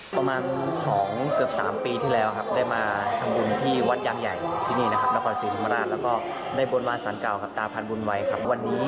ประมาณ๒๓ปีที่แล้วครับได้มาทำบุญที่วัดยางใหญ่ที่นี่นะครับนครศิษย์ธรรมดาและในบนวาสันเก่ากับตาพันธ์บุญวัยครับ